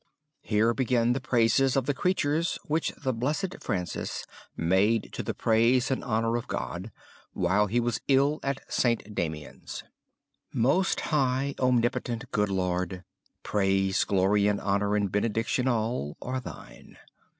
] "Here begin the praises of the Creatures which the Blessed Francis made to the praise and honor of God while he was ill at St. Damian's: Most high, omnipotent, good Lord, Praise, glory and honor and benediction all, are Thine.